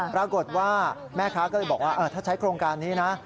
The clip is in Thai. ปรากฏว่าแม่ค้าก็เลยบอกว่าถ้าใช้โครงการนี้นะ